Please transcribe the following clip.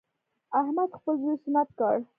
احمد خپل زوی سنت کړ.